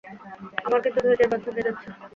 আমার কিন্তু ধৈর্যের বাঁধ ভেঙে যাচ্ছে!